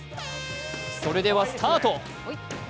それではスタート。